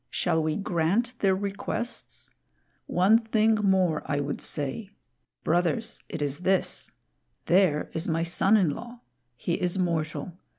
Shall we grant their requests? One thing more I would say. Brothers, it is this: There is my son in law; he is mortal.